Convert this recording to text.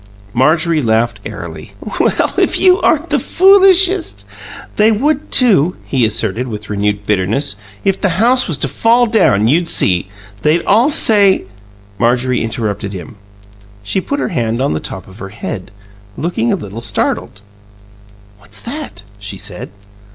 Marjorie laughed airily. "Well, if you aren't the foolishest " "They would, too," he asserted, with renewed bitterness. "If the house was to fall down, you'd see! They'd all say " Marjorie interrupted him. She put her hand on the top of her head, looking a little startled. "What's that?" she said.